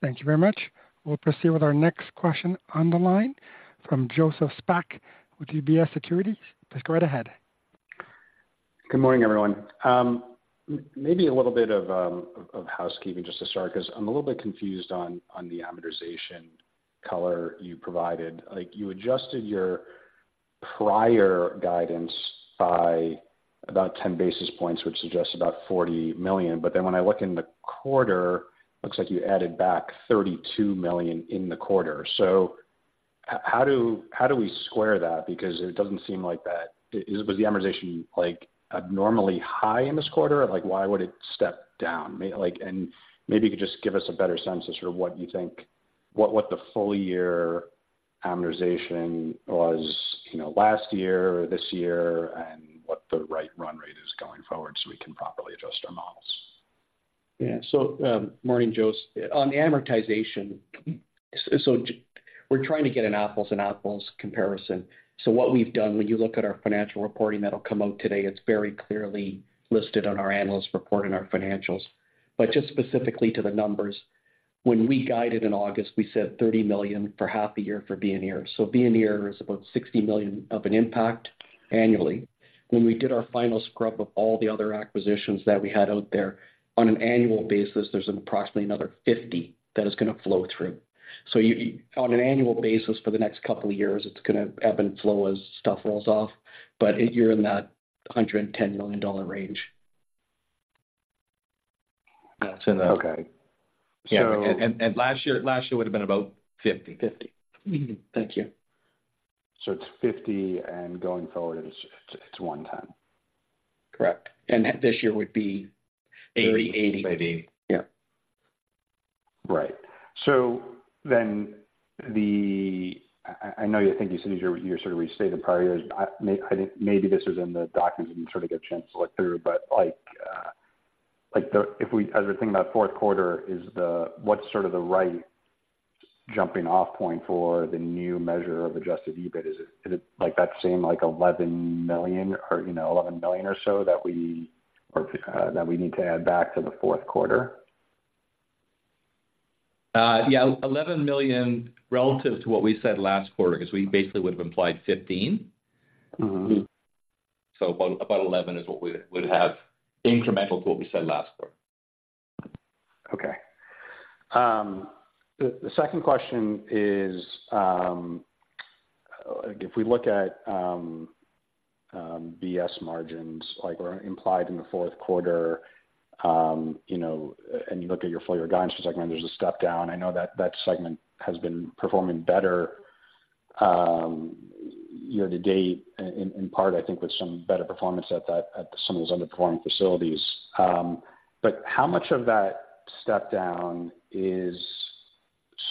Thank you very much. We'll proceed with our next question on the line from Joseph Spak with UBS Securities. Please go right ahead. Good morning, everyone. Maybe a little bit of housekeeping just to start, 'cause I'm a little bit confused on the amortization color you provided. Like, you adjusted your prior guidance by about 10 basis points, which suggests about $40 million. But then when I look in the quarter, looks like you added back $32 million in the quarter. So how do we square that? Because it doesn't seem like that... Was the amortization, like, abnormally high in this quarter? Like, why would it step down? And maybe you could just give us a better sense of sort of what you think the full year amortization was, you know, last year or this year, and what the right run rate is going forward, so we can properly adjust our models. Yeah. So, morning, Jos. On the amortization, so we're trying to get an apples and apples comparison. So what we've done, when you look at our financial reporting that'll come out today, it's very clearly listed on our analyst report and our financials. But just specifically to the numbers, when we guided in August, we said $30 million for half the year for BNR. So BNR is about $60 million of an impact annually. When we did our final scrub of all the other acquisitions that we had out there, on an annual basis, there's approximately another $50 that is gonna flow through. So on an annual basis, for the next couple of years, it's gonna ebb and flow as stuff rolls off, but you're in that $110 million range. That's enough. Okay. Yeah. So- Last year would have been about 50. 50. Thank you. So it's 50, and going forward, it's one time? Correct. This year would be 80- Eighty. Yeah. Right. So then I know, I think you said you sort of restated the prior years. I think maybe this is in the documents, and sort of get a chance to look through, but like, like, as we're thinking about fourth quarter, is what's sort of the right jumping off point for the new measure of adjusted EBIT? Is it, is it, like, that same, like, $11 million or, you know, $11 million or so that we, or, that we need to add back to the fourth quarter? ... Yeah, $11 million relative to what we said last quarter, because we basically would have implied $15. Mm-hmm. About 11 is what we would have incremental to what we said last quarter. Okay. The second question is, if we look at BS margins, like were implied in the fourth quarter, you know, and you look at your full-year guidance, like when there's a step down, I know that that segment has been performing better year to date, in part, I think with some better performance at some of those underperforming facilities. But how much of that step down is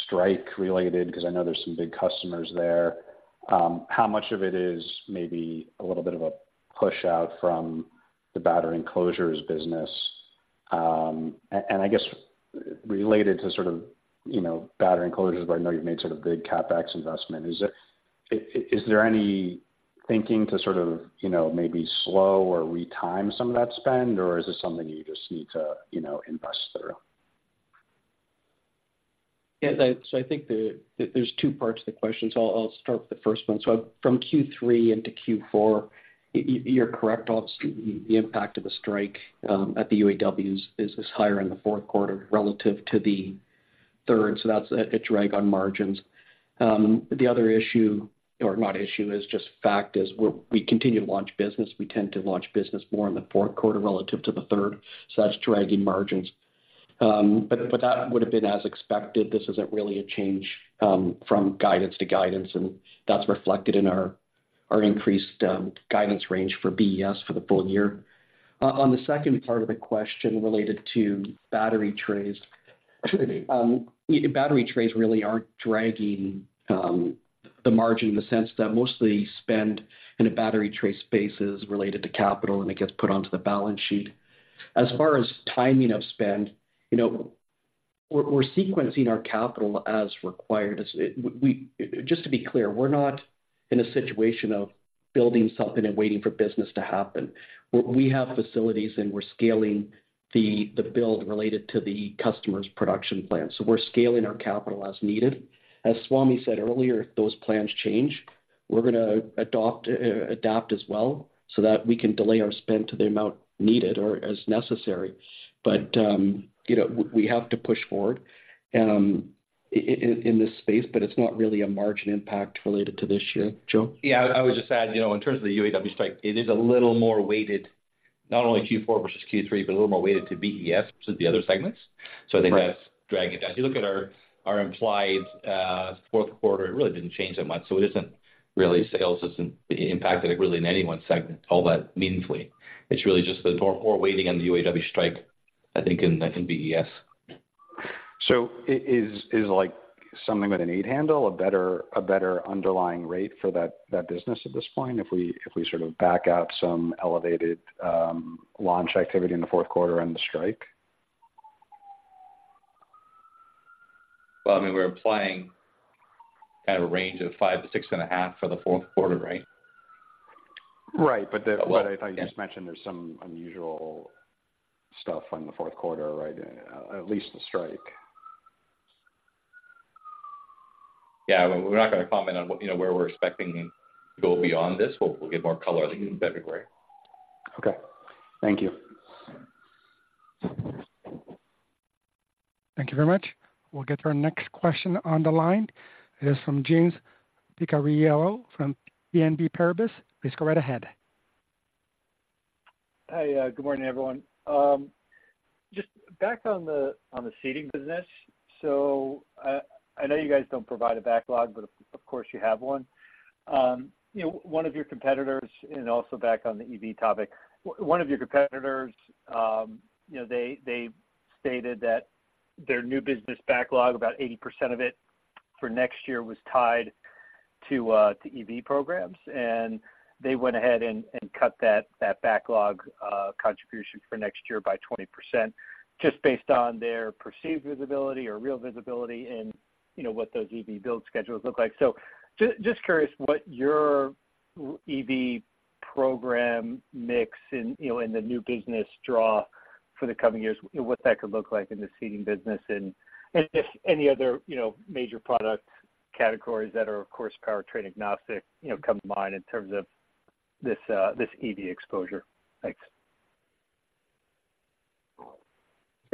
strike related? Because I know there's some big customers there. How much of it is maybe a little bit of a push out from the battery enclosures business? And I guess related to sort of, you know, battery enclosures, but I know you've made sort of big CapEx investment. Is there any thinking to sort of, you know, maybe slow or retime some of that spend, or is this something you just need to, you know, invest through? Yeah, that's, I think, the, there's two parts to the question, so I'll start with the first one. So from Q3 into Q4, you're correct. Obviously, the impact of the strike at the UAW is higher in the fourth quarter relative to the third, so that's a drag on margins. The other issue, or not issue, is just fact, we continue to launch business. We tend to launch business more in the fourth quarter relative to the third. So that's dragging margins. But that would have been as expected. This isn't really a change from guidance to guidance, and that's reflected in our increased guidance range for BES for the full year. On the second part of the question related to battery trays. Battery trays really aren't dragging the margin in the sense that mostly spend in a battery tray space is related to capital, and it gets put onto the balance sheet. As far as timing of spend, you know, we're sequencing our capital as required. Just to be clear, we're not in a situation of building something and waiting for business to happen. We have facilities, and we're scaling the build related to the customer's production plan. So we're scaling our capital as needed. As Swamy said earlier, those plans change. We're gonna adopt, adapt as well, so that we can delay our spend to the amount needed or as necessary. But, you know, we have to push forward, in this space, but it's not really a margin impact related to this year. Joe? Yeah, I would just add, you know, in terms of the UAW strike, it is a little more weighted, not only Q4 versus Q3, but a little more weighted to BES to the other segments. Right. So I think that's dragging it down. If you look at our implied fourth quarter, it really didn't change that much, so it isn't really a sales system impacted it really in any one segment all that meaningfully. It's really just the more weighting on the UAW strike, I think, in I think BES. Is like something with an eight handle a better underlying rate for that business at this point, if we sort of back out some elevated launch activity in the fourth quarter and the strike? Well, I mean, we're applying at a range of 5-6.5 for the fourth quarter, right? Right. But the- But- But I thought you just mentioned there's some unusual stuff in the fourth quarter, right? At least the strike. Yeah, we're not gonna comment on what, you know, where we're expecting to go beyond this. We'll give more color, I think, in February. Okay. Thank you. Thank you very much. We'll get to our next question on the line. It is from James Picariello from BNP Paribas. Please go right ahead. Hi, good morning, everyone. Just back on the seating business. So I know you guys don't provide a backlog, but of course, you have one. You know, one of your competitors, and also back on the EV topic. One of your competitors, you know, they stated that their new business backlog, about 80% of it for next year, was tied to EV programs, and they went ahead and cut that backlog contribution for next year by 20%, just based on their perceived visibility or real visibility and, you know, what those EV build schedules look like. So just curious what your EV program mix in, you know, in the new business draw for the coming years, what that could look like in the seating business? If any other, you know, major product categories that are, of course, powertrain agnostic, you know, come to mind in terms of this EV exposure? Thanks.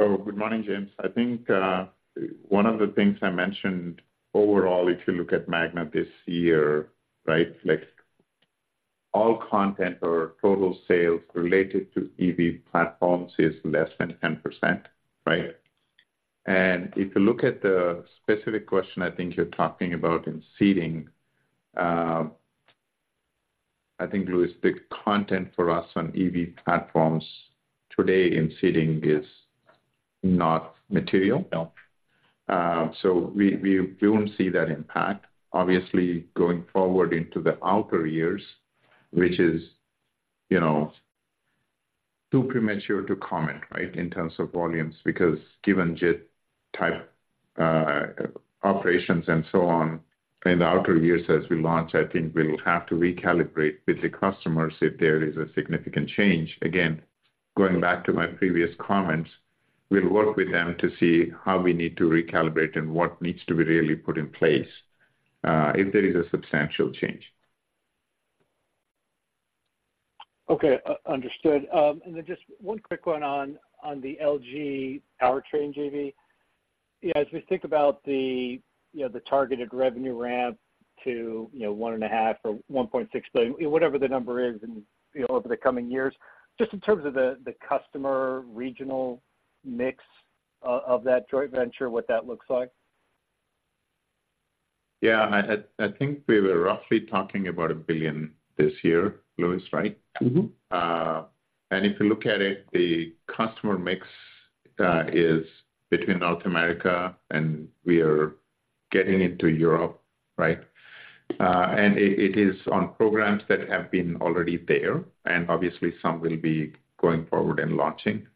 Good morning, James. I think one of the things I mentioned overall, if you look at Magna this year, right? Like, all content or total sales related to EV platforms is less than 10%, right? And if you look at the specific question, I think you're talking about in seating. I think, Louis, the content for us on EV platforms today in seating is not material. No. So we won't see that impact. Obviously, going forward into the outer years, which is, you know, too premature to comment, right, in terms of volumes, because given JIT type operations and so on in the outer years as we launch, I think we'll have to recalibrate with the customers if there is a significant change, again. Going back to my previous comments, we'll work with them to see how we need to recalibrate and what needs to be really put in place, if there is a substantial change. Okay, understood. Then just one quick one on the LG Powertrain JV. Yeah, as we think about the, you know, the targeted revenue ramp to, you know, $1.5 billion or $1.6 billion, whatever the number is in, you know, over the coming years, just in terms of the customer regional mix of that joint venture, what that looks like? Yeah, I think we were roughly talking about $1 billion this year, Louis, right? Mm-hmm. And if you look at it, the customer mix is between North America, and we are getting into Europe, right? It is on programs that have been already there, and obviously some will be going forward and launching.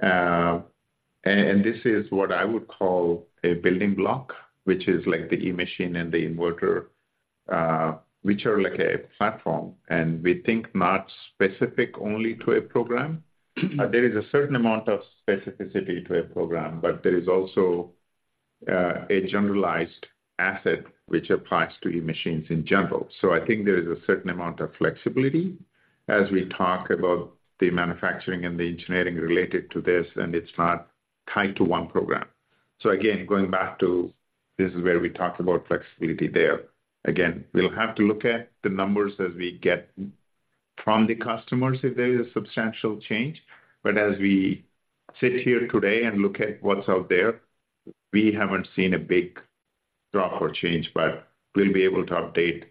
This is what I would call a building block, which is like the e-machine and the inverter, which are like a platform, and we think not specific only to a program. There is a certain amount of specificity to a program, but there is also a generalized asset which applies to e-machines in general. So I think there is a certain amount of flexibility as we talk about the manufacturing and the engineering related to this, and it's not tied to one program. So again, going back to this is where we talked about flexibility there. Again, we'll have to look at the numbers as we get from the customers if there is a substantial change. But as we sit here today and look at what's out there, we haven't seen a big drop or change, but we'll be able to update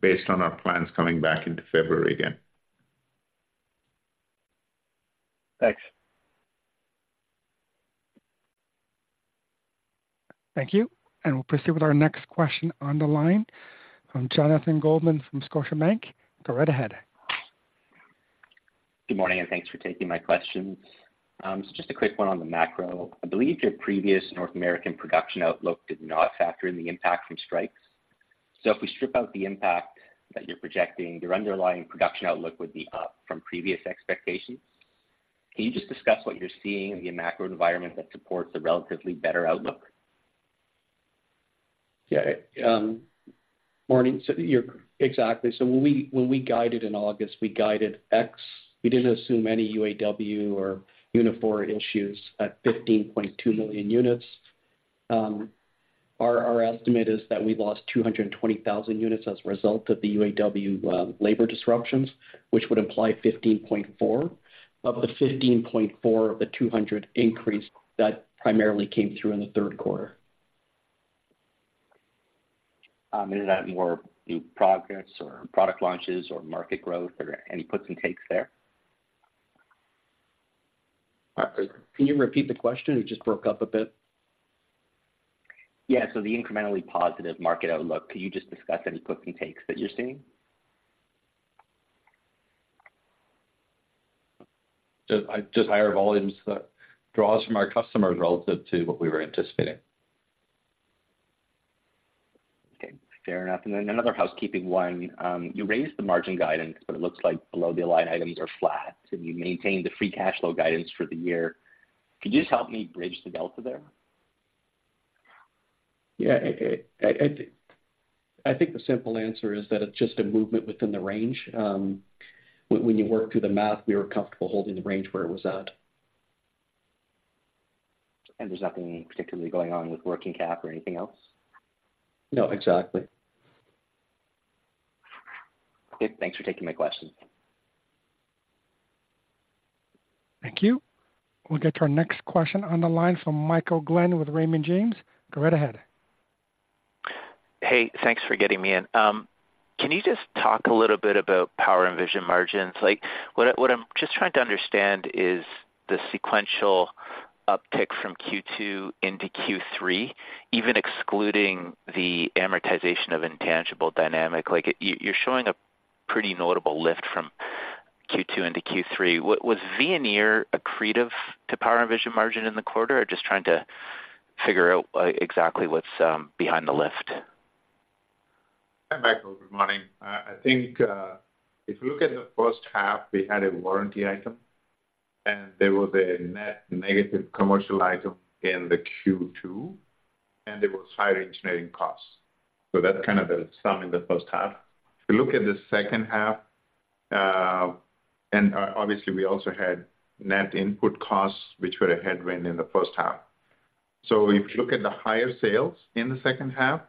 based on our plans coming back into February again. Thanks. Thank you, and we'll proceed with our next question on the line from Jonathan Goldman from Scotiabank. Go right ahead. Good morning, and thanks for taking my questions. So just a quick one on the macro. I believe your previous North American production outlook did not factor in the impact from strikes. So if we strip out the impact that you're projecting, your underlying production outlook would be up from previous expectations. Can you just discuss what you're seeing in the macro environment that supports a relatively better outlook? Yeah, morning. So you're exactly. So when we guided in August, we guided X. We didn't assume any UAW or Unifor issues at 15.2 million units. Our estimate is that we lost 220,000 units as a result of the UAW labor disruptions, which would imply 15.4. Of the 15.4, the 200 increase, that primarily came through in the third quarter. Is that more in progress or product launches or market growth or any puts and takes there? Can you repeat the question? It just broke up a bit. Yeah, so the incrementally positive market outlook, can you just discuss any puts and takes that you're seeing? Just, just higher volumes, draws from our customers relative to what we were anticipating. Okay, fair enough. Then another housekeeping one. You raised the margin guidance, but it looks like below the line items are flat, and you maintained the free cash flow guidance for the year. Could you just help me bridge the delta there? Yeah, I think the simple answer is that it's just a movement within the range. When you work through the math, we were comfortable holding the range where it was at. There's nothing particularly going on with working cap or anything else? No, exactly. Okay. Thanks for taking my question. Thank you. We'll get to our next question on the line from Michael Glen with Raymond James. Go right ahead. Hey, thanks for getting me in. Can you just talk a little bit about Power & Vision margins? Like, what I'm just trying to understand is the sequential uptick from Q2 into Q3, even excluding the amortization of intangibles. Like, you're showing a pretty notable lift from Q2 into Q3. Was Veoneer accretive to Power & Vision margin in the quarter? Or just trying to figure out exactly what's behind the lift. Hi, Michael, good morning. I think, if you look at the first half, we had a warranty item, and there was a net negative commercial item in the Q2, and there was higher engineering costs. So that's kind of the sum in the first half. If you look at the second half, and obviously, we also had net input costs, which were a headwind in the first half. So if you look at the higher sales in the second half,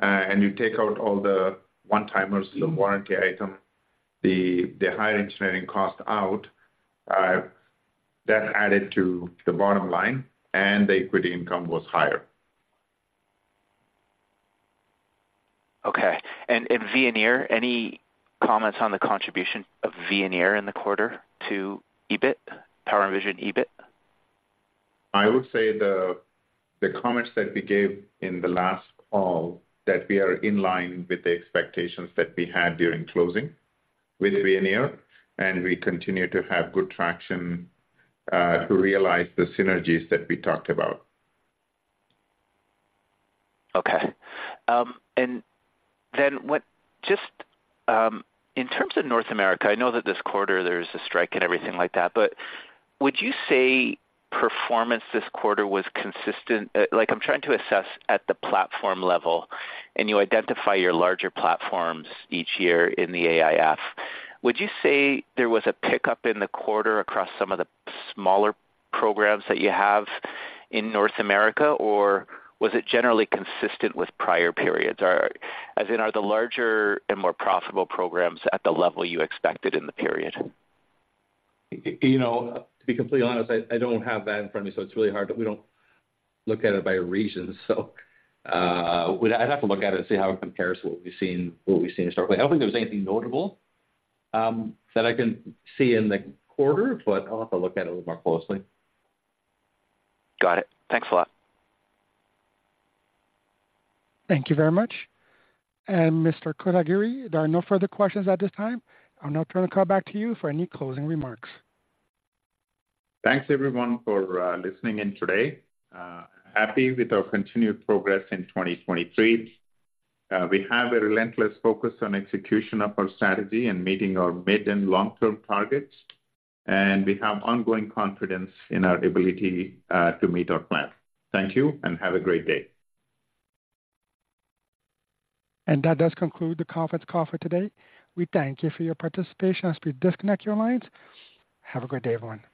and you take out all the one-timers, the warranty item, the, the higher engineering cost out, that added to the bottom line, and the equity income was higher. Okay. And Veoneer, any comments on the contribution of Veoneer in the quarter to EBIT, Power & Vision EBIT? I would say the comments that we gave in the last call, that we are in line with the expectations that we had during closing with Veoneer, and we continue to have good traction to realize the synergies that we talked about. Okay. And then what—just, in terms of North America, I know that this quarter there's a strike and everything like that, but would you say performance this quarter was consistent? Like, I'm trying to assess at the platform level, and you identify your larger platforms each year in the AIF. Would you say there was a pickup in the quarter across some of the smaller programs that you have in North America, or was it generally consistent with prior periods? Or, as in, are the larger and more profitable programs at the level you expected in the period? You know, to be completely honest, I don't have that in front of me, so it's really hard, but we don't look at it by region. So, I'd have to look at it and see how it compares to what we've seen, what we've seen historically. I don't think there's anything notable, that I can see in the quarter, but I'll have to look at it a little more closely. Got it. Thanks a lot. Thank you very much. Mr. Kotagiri, there are no further questions at this time. I'll now turn the call back to you for any closing remarks. Thanks, everyone, for listening in today. Happy with our continued progress in 2023. We have a relentless focus on execution of our strategy and meeting our mid and long-term targets, and we have ongoing confidence in our ability to meet our plan. Thank you, and have a great day. That does conclude the conference call for today. We thank you for your participation as we disconnect your lines. Have a good day, everyone.